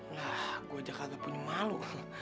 wah gue jakarta punya malu